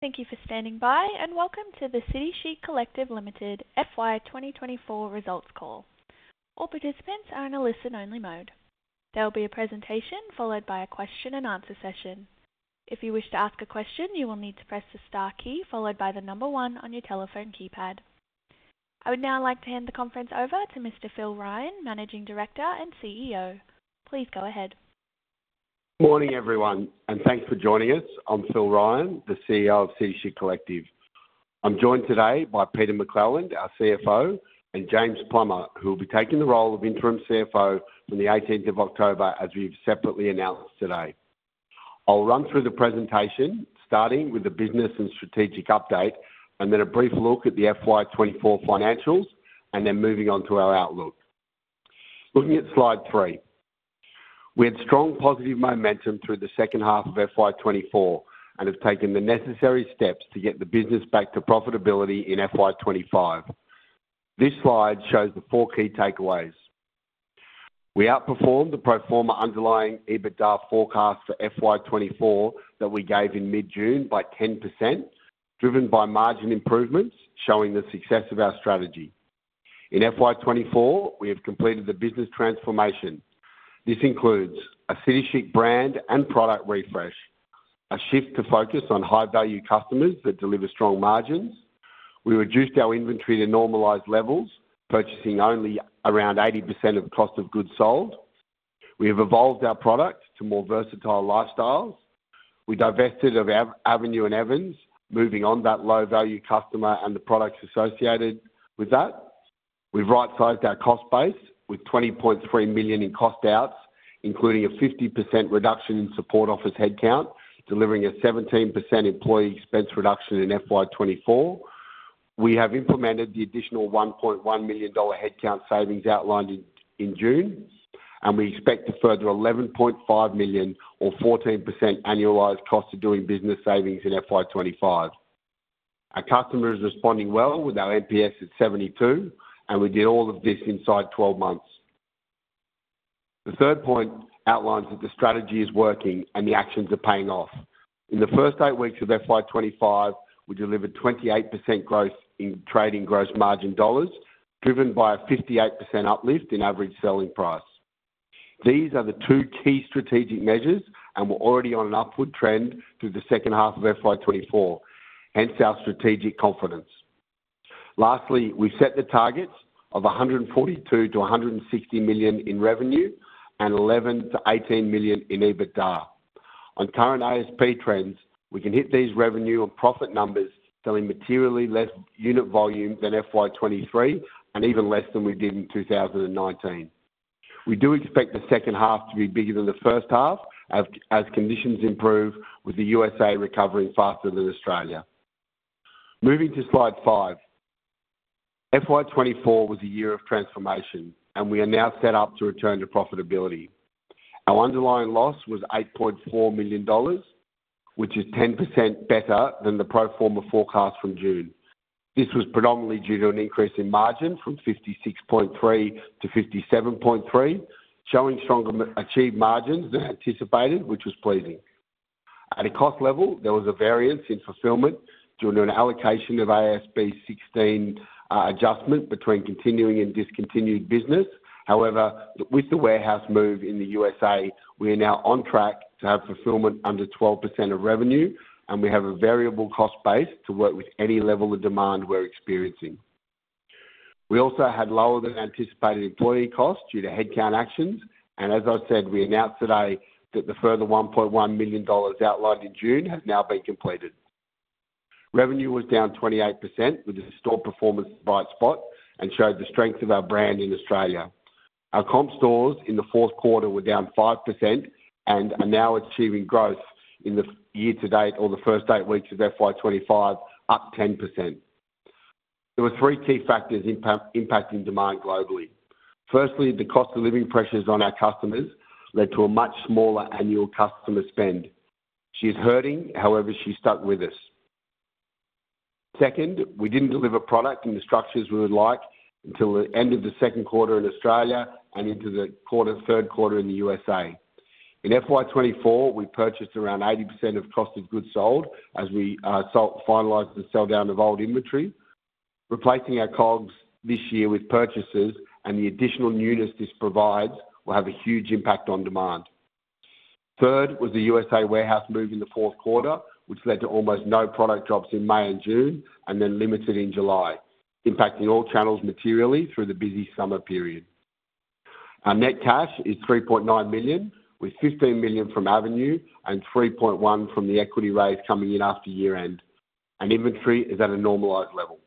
Thank you for standing by, and welcome to the City Chic Collective Limited FY twenty twenty-four results call. All participants are in a listen-only mode. There will be a presentation followed by a question and answer session. If you wish to ask a question, you will need to press the star key followed by the number one on your telephone keypad. I would now like to hand the conference over to Mr. Phil Ryan, Managing Director and CEO. Please go ahead. Morning, everyone, and thanks for joining us. I'm Phil Ryan, the CEO of City Chic Collective. I'm joined today by Peter McClelland, our CFO, and James Plummer, who will be taking the role of interim CFO from the eighteenth of October, as we've separately announced today. I'll run through the presentation, starting with the business and strategic update, and then a brief look at the FY twenty-four financials, and then moving on to our outlook. Looking at slide three. We had strong positive momentum through the second half of FY twenty-four and have taken the necessary steps to get the business back to profitability in FY twenty-five. This slide shows the four key takeaways. We outperformed the pro forma underlying EBITDA forecast for FY twenty-four that we gave in mid-June by 10%, driven by margin improvements, showing the success of our strategy. In FY 2024, we have completed the business transformation. This includes a City Chic brand and product refresh, a shift to focus on high-value customers that deliver strong margins. We reduced our inventory to normalized levels, purchasing only around 80% of the cost of goods sold. We have evolved our products to more versatile lifestyles. We divested of Avenue and Evans, moving on that low-value customer and the products associated with that. We've right-sized our cost base with 20.3 million in cost outs, including a 50% reduction in support office headcount, delivering a 17% employee expense reduction in FY 2024. We have implemented the additional 1.1 million dollar headcount savings outlined in June, and we expect a further 11.5 million or 14% annualized cost of doing business savings in FY 2025. Our customer is responding well with our NPS at 72, and we did all of this inside 12 months. The third point outlines that the strategy is working and the actions are paying off. In the first eight weeks of FY 2025, we delivered 28% growth in trading gross margin dollars, driven by a 58% uplift in average selling price. These are the two key strategic measures, and we're already on an upward trend through the second half of FY 2024, hence our strategic confidence. Lastly, we've set the targets of 142-160 million in revenue and 11-18 million in EBITDA. On current ASP trends, we can hit these revenue and profit numbers selling materially less unit volume than FY 2023 and even less than we did in 2019. We do expect the second half to be bigger than the first half as conditions improve, with the USA recovering faster than Australia. Moving to Slide 5. FY 2024 was a year of transformation, and we are now set up to return to profitability. Our underlying loss was 8.4 million dollars, which is 10% better than the pro forma forecast from June. This was predominantly due to an increase in margin from 56.3% to 57.3%, showing stronger achieved margins than anticipated, which was pleasing. At a cost level, there was a variance in fulfillment due to an allocation of AASB 16 adjustment between continuing and discontinued business. However, with the warehouse move in the USA, we are now on track to have fulfillment under 12% of revenue, and we have a variable cost base to work with any level of demand we're experiencing. We also had lower-than-anticipated employee costs due to headcount actions, and as I said, we announced today that the further 1.1 million dollars outlined in June have now been completed. Revenue was down 28%, with the store performance bright spot, and showed the strength of our brand in Australia. Our comp stores in the Q4 were down 5% and are now achieving growth in the year to date or the first eight weeks of FY 2025, up 10%. There were three key factors impacting demand globally. Firstly, the cost of living pressures on our customers led to a much smaller annual customer spend. She's hurting, however, she stuck with us. Second, we didn't deliver product in the structures we would like until the end of the Q2 in Australia and into the Q3 in the USA. In FY 2024, we purchased around 80% of cost of goods sold as we finalized the sell-down of old inventory. Replacing our COGS this year with purchases and the additional newness this provides will have a huge impact on demand. Third was the USA warehouse move in the Q4, which led to almost no product drops in May and June, and then limited in July, impacting all channels materially through the busy summer period. Our net cash is 3.9 million, with 15 million from Avenue and 3.1 million from the equity raise coming in after year-end, and inventory is at a normalized level.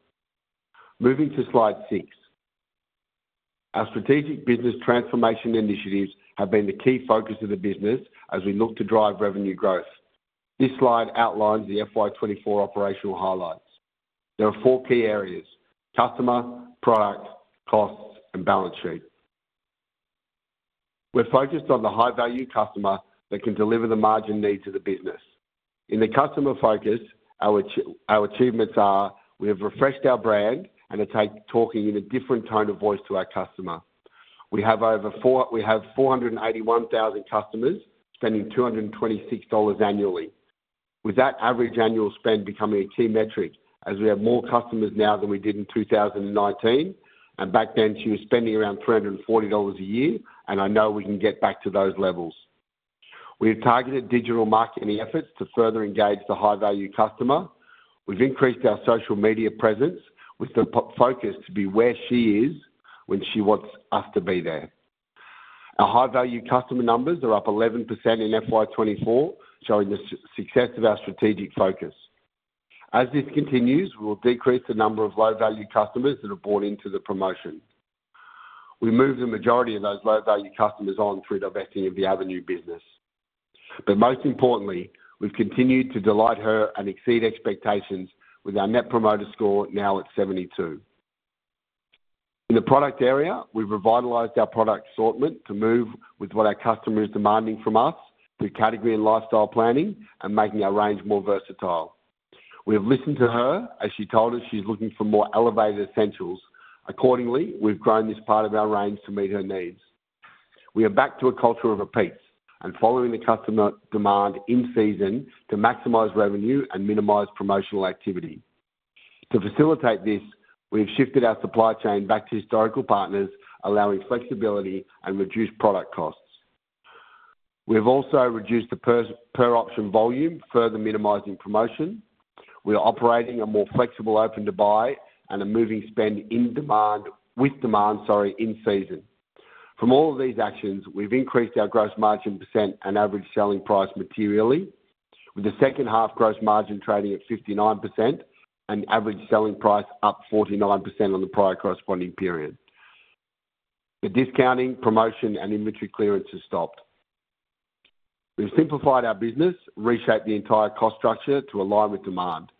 Moving to slide six. Our strategic business transformation initiatives have been the key focus of the business as we look to drive revenue growth. This slide outlines the FY 2024 operational highlights. There are four key areas: customer, product, costs, and balance sheet. We're focused on the high-value customer that can deliver the margin needs of the business. In the customer focus, our achievements are: we have refreshed our brand and are talking in a different tone of voice to our customer. We have four hundred and eighty-one thousand customers spending 226 dollars annually. With that average annual spend becoming a key metric, as we have more customers now than we did in two thousand and nineteen, and back then, she was spending around 340 dollars a year, and I know we can get back to those levels. We have targeted digital marketing efforts to further engage the high-value customer. We've increased our social media presence, with the focus to be where she is when she wants us to be there. Our high-value customer numbers are up 11% in FY twenty-four, showing the success of our strategic focus. As this continues, we will decrease the number of low-value customers that are bought into the promotion. We moved the majority of those low-value customers on through divesting of the Avenue business. But most importantly, we've continued to delight her and exceed expectations with our Net Promoter Score now at 72. In the product area, we've revitalized our product assortment to move with what our customer is demanding from us, through category and lifestyle planning and making our range more versatile. We have listened to her as she told us she's looking for more elevated essentials. Accordingly, we've grown this part of our range to meet her needs. We are back to a culture of repeats and following the customer demand in season to maximize revenue and minimize promotional activity. To facilitate this, we've shifted our supply chain back to historical partners, allowing flexibility and reduced product costs. We've also reduced the per option volume, further minimizing promotion. We are operating a more flexible open-to-buy and are moving spend with demand in season. From all of these actions, we've increased our gross margin percent and average selling price materially, with the second half gross margin trading at 59% and average selling price up 49% on the prior corresponding period. The discounting, promotion, and inventory clearance has stopped. We've simplified our business, reshaped the entire cost structure to align with demand.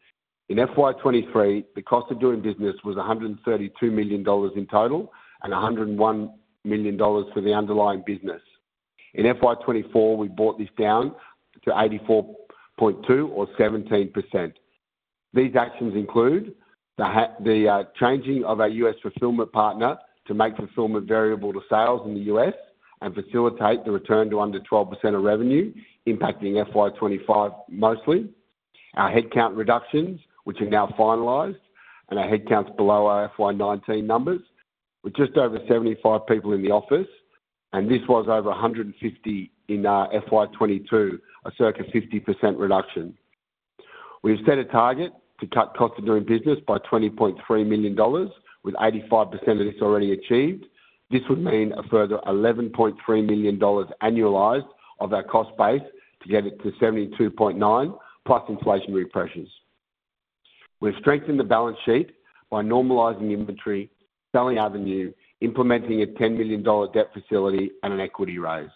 In FY 2023, the cost of doing business was 132 million dollars in total, and 101 million dollars for the underlying business. In FY 2024, we brought this down to 84.2 or 17%. These actions include the changing of our US fulfillment partner to make fulfillment variable to sales in the US and facilitate the return to under 12% of revenue, impacting FY 2025 mostly. Our headcount reductions, which are now finalized, and our headcounts below our FY 2019 numbers, with just over 75 people in the office, and this was over 150 in FY 2022, a circa 50% reduction. We have set a target to cut cost of doing business by 20.3 million dollars, with 85% of this already achieved. This would mean a further 11.3 million dollars annualized of our cost base to get it to 72.9, plus inflationary pressures. We've strengthened the balance sheet by normalizing inventory, selling Avenue, implementing a 10 million dollar debt facility and an equity raise.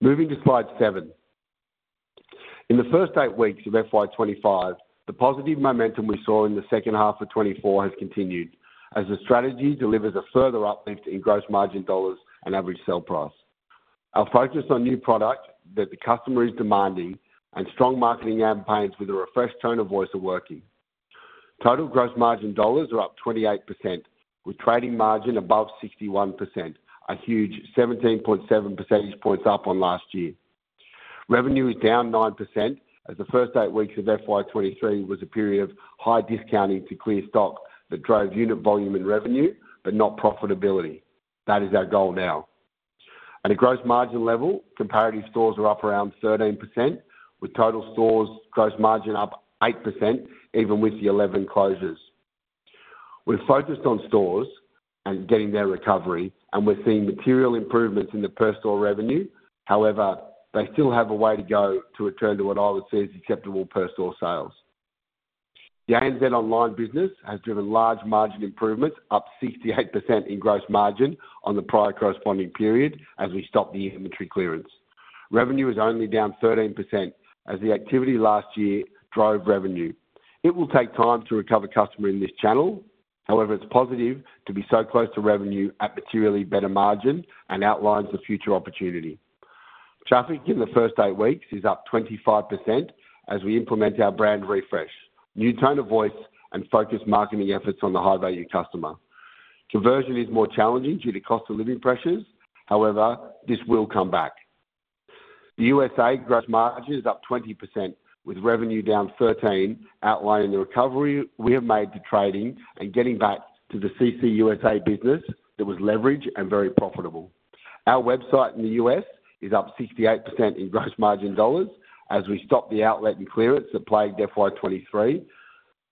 Moving to slide seven. In the first 8 weeks of FY 2025, the positive momentum we saw in the second half of 2024 has continued as the strategy delivers a further uplift in gross margin dollars and average sale price. Our focus on new product that the customer is demanding and strong marketing campaigns with a refreshed tone of voice are working. Total gross margin dollars are up 28%, with trading margin above 61%, a huge 17.7 percentage points up on last year. Revenue is down 9%, as the first eight weeks of FY 2023 was a period of high discounting to clear stock that drove unit volume and revenue, but not profitability. That is our goal now. At a gross margin level, comparative stores are up around 13%, with total stores' gross margin up 8%, even with the 11 closures. We're focused on stores and getting their recovery, and we're seeing material improvements in the per store revenue. However, they still have a way to go to return to what I would say is acceptable per store sales. The ANZ online business has driven large margin improvements, up 68% in gross margin on the prior corresponding period as we stop the inventory clearance. Revenue is only down 13% as the activity last year drove revenue. It will take time to recover customer in this channel. However, it's positive to be so close to revenue at materially better margin and outlines the future opportunity. Traffic in the first eight weeks is up 25% as we implement our brand refresh, new tone of voice, and focus marketing efforts on the high-value customer. Conversion is more challenging due to cost of living pressures. However, this will come back. The USA gross margin is up 20%, with revenue down 13%, outlining the recovery we have made to trading and getting back to the CC USA business that was leveraged and very profitable. Our website in the U.S. is up 68% in gross margin dollars as we stop the outlet and clearance that plagued FY 2023,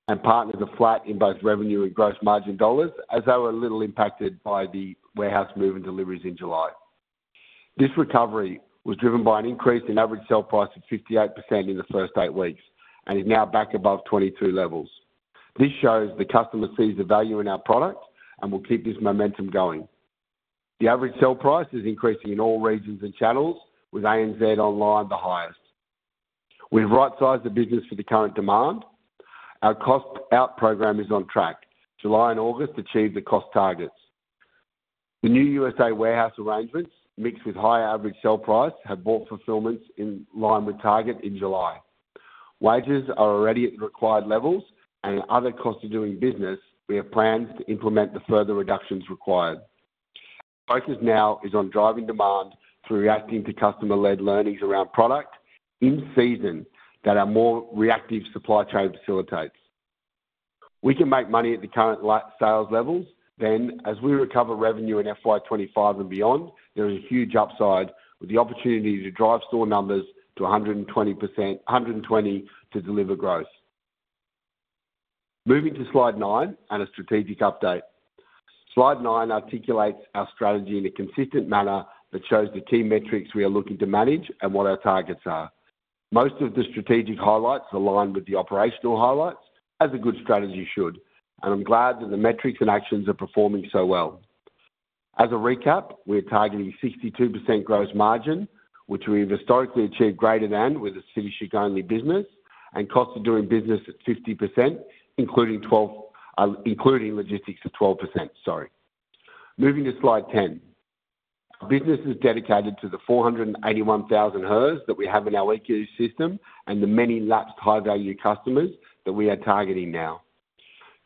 and partners are flat in both revenue and gross margin dollars, as they were a little impacted by the warehouse move and deliveries in July. This recovery was driven by an increase in average sale price of 58% in the first eight weeks and is now back above 22 levels. This shows the customer sees the value in our product and will keep this momentum going. The average sale price is increasing in all regions and channels, with ANZ Online the highest. We've right-sized the business for the current demand. Our cost out program is on track. July and August achieved the cost targets. The new USA warehouse arrangements, mixed with higher average sale price, have brought fulfillments in line with target in July. Wages are already at the required levels, and in other costs of doing business, we have plans to implement the further reductions required. Our focus now is on driving demand through reacting to customer-led learnings around product in season that our more reactive supply chain facilitates. We can make money at the current low sales levels. Then, as we recover revenue in FY 2025 and beyond, there is a huge upside with the opportunity to drive store numbers to 120% to deliver growth. Moving to Slide nine and a strategic update. Slide nine articulates our strategy in a consistent manner that shows the key metrics we are looking to manage and what our targets are. Most of the strategic highlights align with the operational highlights, as a good strategy should, and I'm glad that the metrics and actions are performing so well. As a recap, we're targeting 62% gross margin, which we've historically achieved greater than with a City Chic-only business, and cost of doing business at 50%, including 12%, including logistics at 12%. Sorry. Moving to Slide ten. Business is dedicated to the 481,000 hers that we have in our EQ system and the many lapsed high-value customers that we are targeting now.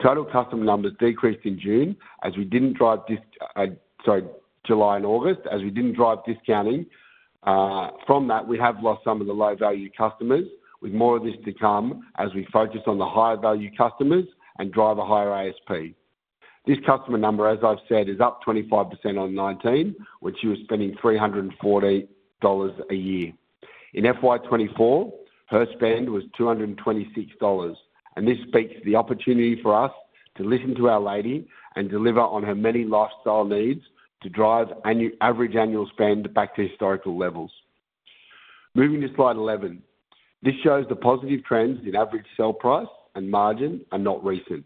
Total customer numbers decreased in July and August, as we didn't drive discounting. From that, we have lost some of the low-value customers, with more of this to come as we focus on the higher-value customers and drive a higher ASP. This customer number, as I've said, is up 25% on 2019, which she was spending 340 dollars a year. In FY 2024, her spend was 226 dollars, and this speaks to the opportunity for us to listen to our lady and deliver on her many lifestyle needs to drive average annual spend back to historical levels. Moving to slide 11. This shows the positive trends in average sell price and margin are not recent.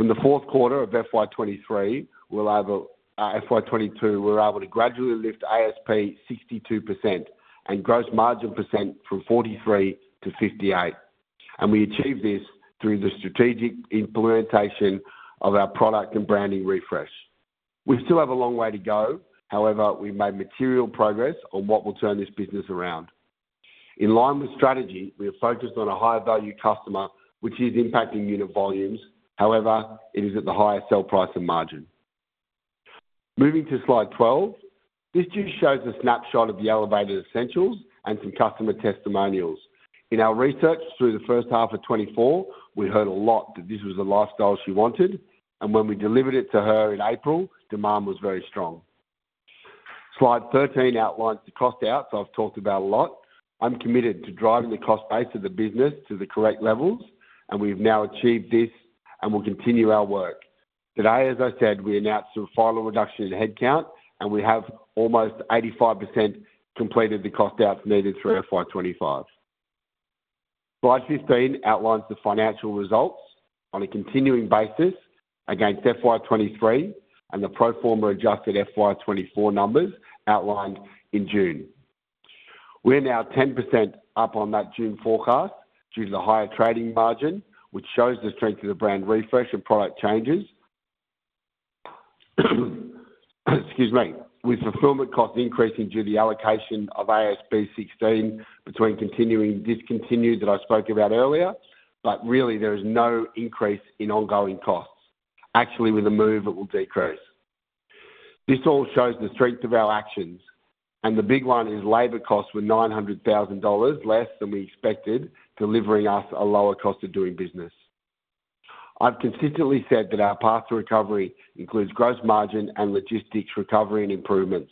From the Q4 of FY 2023, we're able-- FY 2022, we're able to gradually lift ASP 62% and gross margin percent from 43% to 58%, and we achieved this through the strategic implementation of our product and branding refresh. We still have a long way to go. However, we've made material progress on what will turn this business around. In line with strategy, we are focused on a higher-value customer, which is impacting unit volumes. However, it is at the highest sell price and margin. Moving to Slide 12. This just shows a snapshot of the elevated essentials and some customer testimonials. In our research, through the first half of 2024, we heard a lot that this was the lifestyle she wanted, and when we delivered it to her in April, demand was very strong. Slide 13 outlines the cost out, so I've talked about a lot. I'm committed to driving the cost base of the business to the correct levels, and we've now achieved this and will continue our work. Today, as I said, we announced a final reduction in headcount, and we have almost 85% completed the cost outs needed through FY 2025. Slide 15 outlines the financial results on a continuing basis against FY 2023 and the pro forma adjusted FY 2024 numbers outlined in June. We're now 10% up on that June forecast due to the higher trading margin, which shows the strength of the brand refresh and product changes. Excuse me. With fulfillment costs increasing due to the allocation of AASB 16 between continuing and discontinued that I spoke about earlier, but really there is no increase in ongoing costs. Actually, with the move, it will decrease. This all shows the strength of our actions, and the big one is labor costs were 900,000 dollars less than we expected, delivering us a lower cost of doing business. I've consistently said that our path to recovery includes gross margin and logistics recovery and improvements.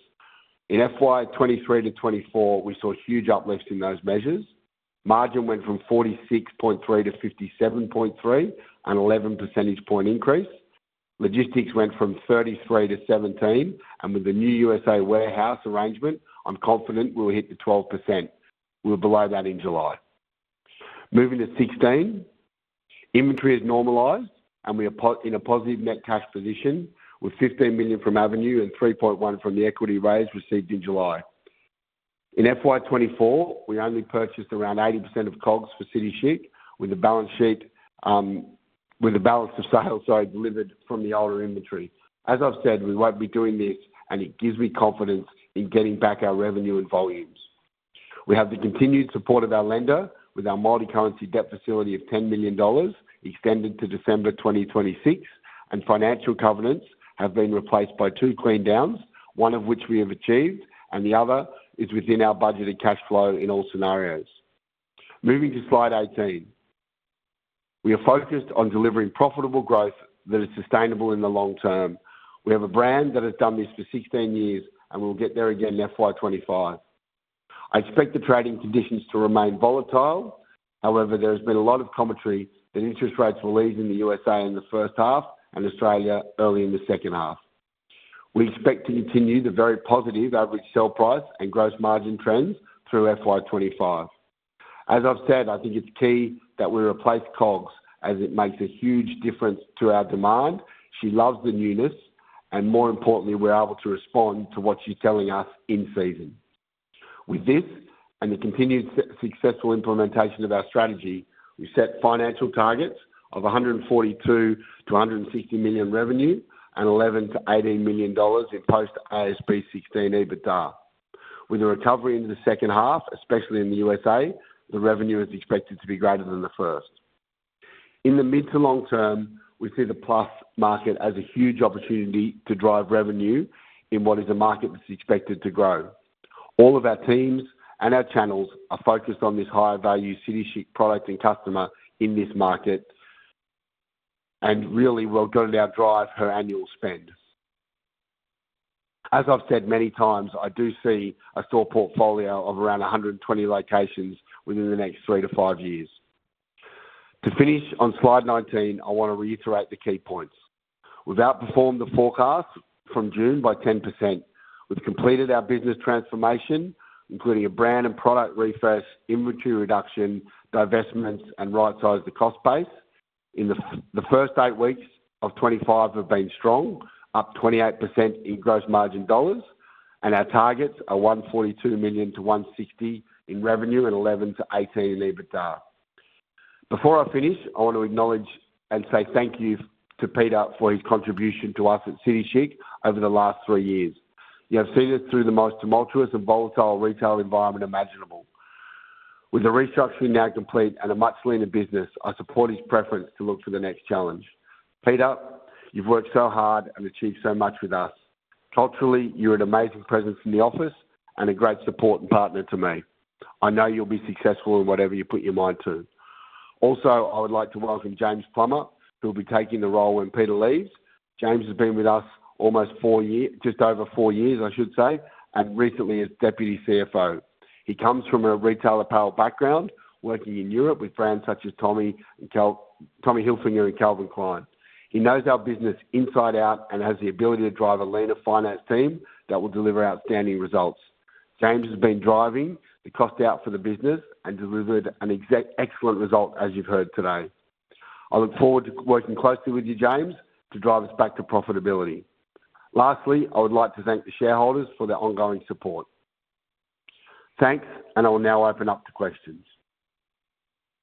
In FY 2023 to 2024, we saw huge uplifts in those measures. Margin went from 46.3% to 57.3%, an 11 percentage point increase. Logistics went from 33% to 17%, and with the new USA warehouse arrangement, I'm confident we'll hit the 12%. We're below that in July. Moving to sixteen. Inventory is normalized, and we are in a positive net cash position with 15 million from Avenue and 3.1 million from the equity raise received in July. In FY 2024, we only purchased around 80% of COGS for City Chic, with a balance sheet, with a balance of sales, sorry, delivered from the older inventory. As I've said, we won't be doing this, and it gives me confidence in getting back our revenue and volumes. We have the continued support of our lender, with our multi-currency debt facility of 10 million dollars extended to December 2026, and financial covenants have been replaced by two clean downs, one of which we have achieved, and the other is within our budgeted cash flow in all scenarios. Moving to Slide 18. We are focused on delivering profitable growth that is sustainable in the long term. We have a brand that has done this for 16 years, and we'll get there again in FY 2025. I expect the trading conditions to remain volatile. However, there has been a lot of commentary that interest rates will ease in the USA in the first half and Australia early in the second half. We expect to continue the very positive average sell price and gross margin trends through FY 2025. As I've said, I think it's key that we replace COGS, as it makes a huge difference to our demand. She loves the newness, and more importantly, we're able to respond to what she's telling us in season. With this and the continued successful implementation of our strategy, we set financial targets of 142-150 million revenue and 11-18 million dollars in post-AASB 16 EBITDA. With a recovery into the second half, especially in the USA, the revenue is expected to be greater than the first half. In the mid to long term, we see the plus market as a huge opportunity to drive revenue in what is a market that's expected to grow. All of our teams and our channels are focused on this higher value City Chic product and customer in this market, and really will go to now drive her annual spend. As I've said many times, I do see a store portfolio of around 120 locations within the next three to five years. To finish on slide 19, I want to reiterate the key points. We've outperformed the forecast from June by 10%. We've completed our business transformation, including a brand and product refresh, inventory reduction, divestments, and right-sized the cost base. In the first eight weeks of 2025 have been strong, up 28% in gross margin dollars, and our targets are 142 million-160 million in revenue and 11 million-18 million in EBITDA. Before I finish, I want to acknowledge and say thank you to Peter for his contribution to us at City Chic over the last three years. You have seen us through the most tumultuous and volatile retail environment imaginable. With the restructuring now complete and a much leaner business, I support his preference to look for the next challenge. Peter, you've worked so hard and achieved so much with us. Culturally, you're an amazing presence in the office and a great support and partner to me. I know you'll be successful in whatever you put your mind to. Also, I would like to welcome James Plummer, who will be taking the role when Peter leaves. James has been with us almost four years, just over four years, I should say, and recently as Deputy CFO. He comes from a retail apparel background, working in Europe with brands such as Tommy Hilfiger and Calvin Klein. He knows our business inside out and has the ability to drive a leaner finance team that will deliver outstanding results. James has been driving the cost out for the business and delivered an excellent result, as you've heard today. I look forward to working closely with you, James, to drive us back to profitability. Lastly, I would like to thank the shareholders for their ongoing support. Thanks, and I will now open up to questions.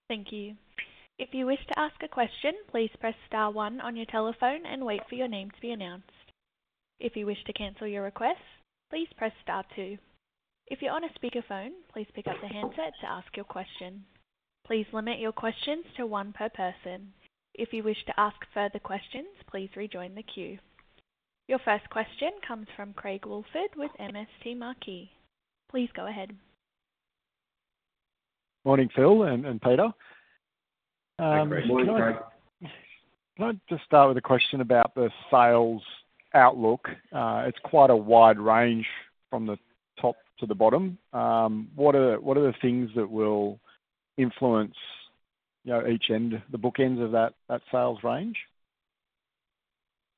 Thank you. If you wish to ask a question, please press star one on your telephone and wait for your name to be announced. If you wish to cancel your request, please press star two. If you're on a speakerphone, please pick up the handset to ask your question. Please limit your questions to one per person. If you wish to ask further questions, please rejoin the queue. Your first question comes from Craig Wolford with MST Marquee. Please go ahead. Morning, Phil and Peter. Hey, Craig. Morning, Craig. Can I just start with a question about the sales outlook? It's quite a wide range from the top to the bottom. What are the things that will influence, you know, each end, the bookends of that sales range?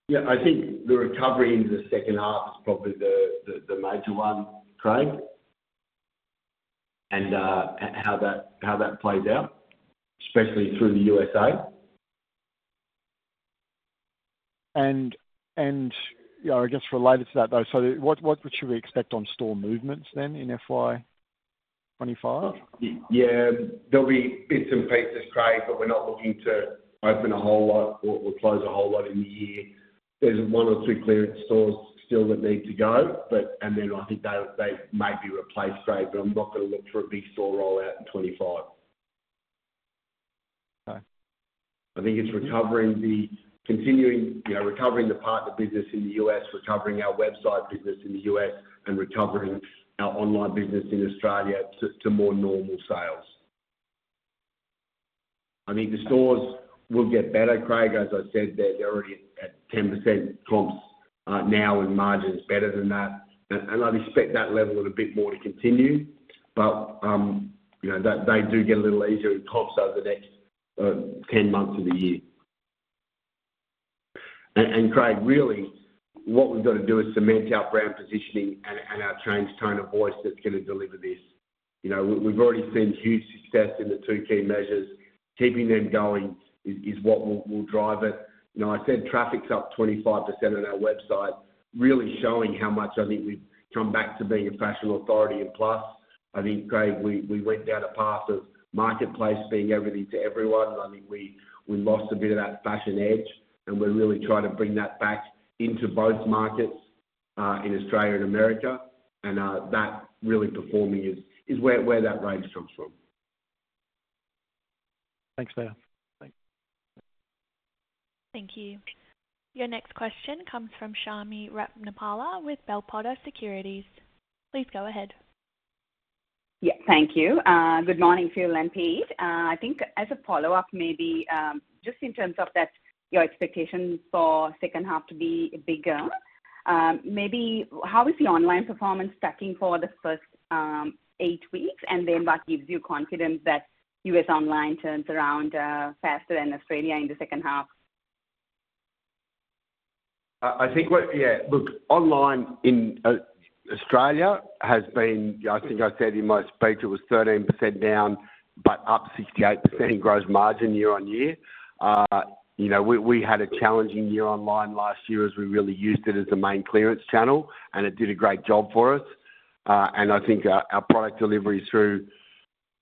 Yeah, I think the recovery into the second half is probably the major one, Craig, and how that plays out, especially through the USA. You know, I guess related to that, though, so what should we expect on store movements then in FY twenty-five? Yeah, there'll be bits and pieces, Craig, but we're not looking to open a whole lot or close a whole lot in the year. There's one or two clearance stores still that need to go, but and then I think they may be replaced, Craig, but I'm not going to look for a big store rollout in 2025. Okay. I think it's recovering the continuing, you know, recovering the partner business in the U.S., recovering our website business in the U.S., and recovering our online business in Australia to more normal sales. I mean, the stores will get better, Craig. As I said, they're already at 10% comps now, and margin's better than that. And I'd expect that level and a bit more to continue, but you know, they do get a little easier in comps over the next ten months of the year. And Craig, really, what we've got to do is cement our brand positioning and our changed tone of voice that's gonna deliver this. You know, we've already seen huge success in the two key measures. Keeping them going is what will drive it. You know, I said traffic's up 25% on our website, really showing how much I think we've come back to being a fashion authority in plus. I think, Craig, we went down a path of marketplace being everything to everyone, and I think we lost a bit of that fashion edge, and we're really trying to bring that back into both markets in Australia and America. And that really performing is where that range comes from. Thanks, Phil. Thanks. Thank you. Your next question comes from Chami Ratnapala with Bell Potter Securities. Please go ahead. Yeah, thank you. Good morning, Phil and Pete. I think as a follow-up, maybe, just in terms of that, your expectation for second half to be bigger, maybe how is the online performance stacking for the first eight weeks? And then what gives you confidence that US online turns around faster than Australia in the second half? I think online in Australia has been. I think I said in my speech, it was 13% down, but up 68% in gross margin year on year. You know, we had a challenging year online last year as we really used it as the main clearance channel, and it did a great job for us. And I think our product delivery through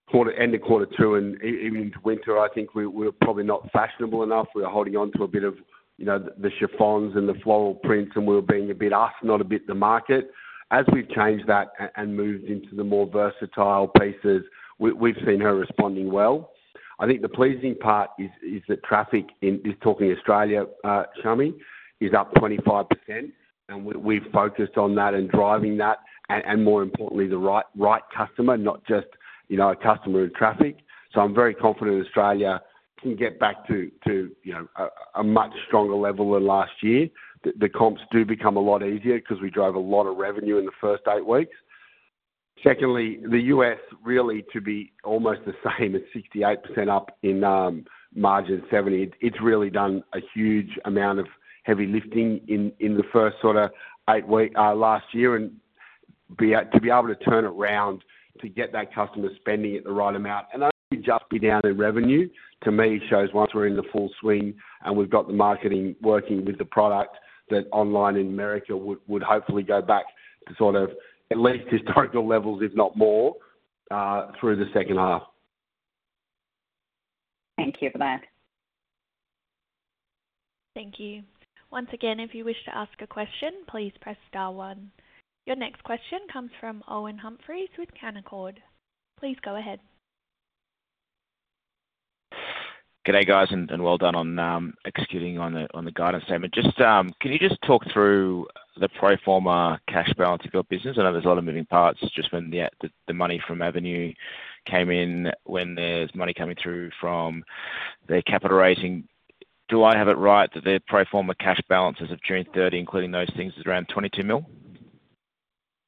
quarter end of quarter two and into winter, I think we're probably not fashionable enough. We are holding onto a bit of, you know, the chiffons and the floral prints, and we're being a bit us, not a bit the market. As we've changed that and moved into the more versatile pieces, we've seen her responding well. I think the pleasing part is that traffic in Australia, Chami, is up 25%, and we've focused on that and driving that, and more importantly, the right customer, not just, you know, a customer in traffic. So I'm very confident Australia can get back to you know a much stronger level than last year. The comps do become a lot easier 'cause we drove a lot of revenue in the first eight weeks. Secondly, the US really to be almost the same at 68% up in margin seventy. It's really done a huge amount of heavy lifting in the first sort of eight weeks last year, and to be able to turn it around to get that customer spending at the right amount, and only just be down in revenue, to me, shows once we're in the full swing and we've got the marketing working with the product, that online in America would hopefully go back to sort of at least historical levels, if not more, through the second half. Thank you for that. Thank you. Once again, if you wish to ask a question, please press star one. Your next question comes from Owen Humphreys with Canaccord. Please go ahead. G'day, guys, and well done on executing on the guidance statement. Just can you just talk through the pro forma cash balance of your business? I know there's a lot of moving parts just when the money from Avenue came in, when there's money coming through from the capital raising. Do I have it right, that the pro forma cash balances of June thirty, including those things, is around 22 million?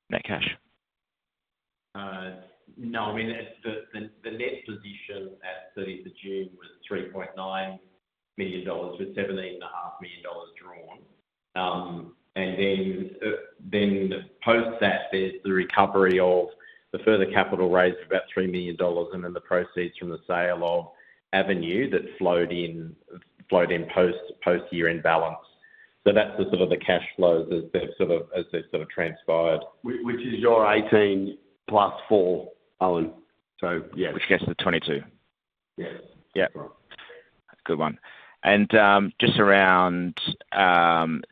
Net cash. No, I mean, it's the net position at 30 June was 3.9 million dollars, with 17.5 million dollars drawn. And then post that, there's the recovery of the further capital raise for about 3 million dollars, and then the proceeds from the sale of Avenue that flowed in post year-end balance. So that's sort of the cash flows as they've sort of transpired. Which is your eighteen plus four, Owen. So, yeah. Which gets to the twenty-two. Yes. Yeah. Correct. Good one. And just around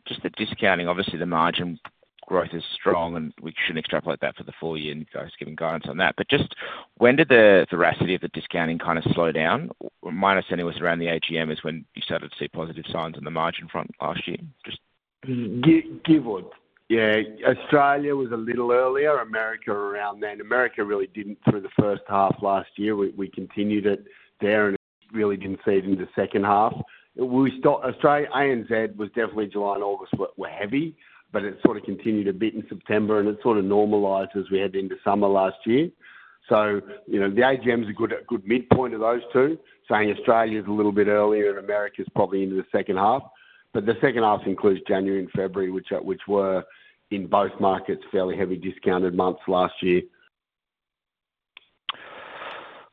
just the discounting. Obviously, the margin growth is strong, and we shouldn't extrapolate that for the full year, you guys giving guidance on that. But just when did the velocity of the discounting kind of slow down? My understanding was around the AGM is when you started to see positive signs on the margin front last year. Just- Yeah, Australia was a little earlier, America around then. America really didn't through the first half last year. We continued it there, and it really didn't see it in the second half. Australia, ANZ was definitely July and August were heavy, but it sort of continued a bit in September, and it sort of normalized as we head into summer last year. So, you know, the AGM is a good midpoint of those two, saying Australia's a little bit earlier and America's probably into the second half. But the second half includes January and February, which were in both markets, fairly heavy discounted months last year.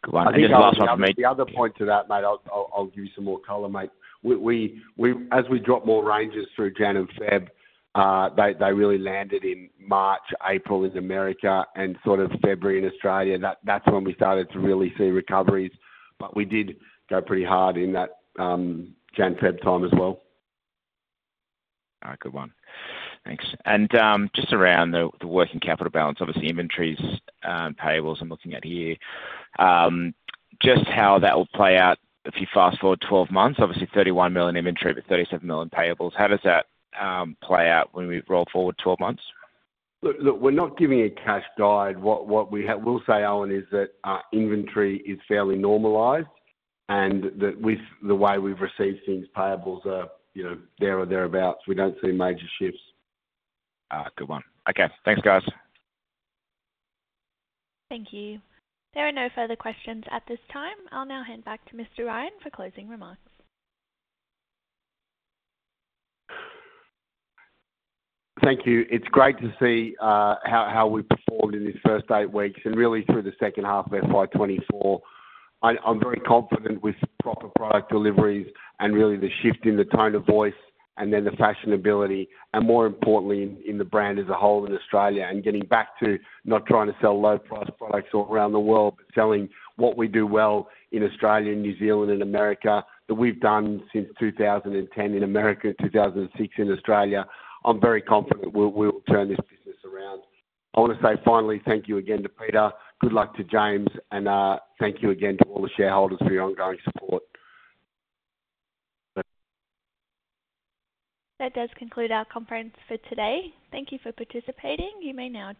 Good one. I think the last one for me- The other point to that, mate, I'll give you some more color, mate. We as we drop more ranges through January and February, they really landed in March, April in America, and sort of February in Australia. That's when we started to really see recoveries, but we did go pretty hard in that January, February time as well. All right, good one. Thanks. And just around the working capital balance, obviously, inventories, payables, I'm looking at here. Just how that will play out if you fast forward 12 months, obviously 31 million inventory, but 37 million payables, how does that play out when we roll forward 12 months? Look, look, we're not giving a cash guide. What we have, We'll say, Owen, is that our inventory is fairly normalized and that with the way we've received things, payables are, you know, there or thereabouts. We don't see major shifts. Good one. Okay, thanks, guys. Thank you. There are no further questions at this time. I'll now hand back to Mr. Ryan for closing remarks. Thank you. It's great to see how we performed in this first eight weeks and really through the second half of FY twenty-four. I'm very confident with proper product deliveries and really the shift in the tone of voice and then the fashionability, and more importantly, in the brand as a whole in Australia, and getting back to not trying to sell low-priced products all around the world, but selling what we do well in Australia, and New Zealand, and America, that we've done since two thousand and ten in America, two thousand and six in Australia. I'm very confident we'll turn this business around. I want to say finally, thank you again to Peter, good luck to James, and thank you again to all the shareholders for your ongoing support. That does conclude our conference for today. Thank you for participating. You may now disconnect.